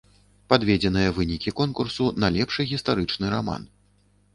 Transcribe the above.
Падведзеныя вынікі конкурсу на лепшы гістарычны раман.